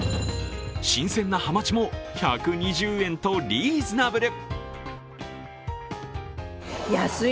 新鮮なはまちも１２０円とリーズナブル。